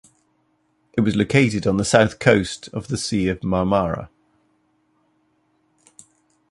It was located on the south coast of the Sea of Marmara.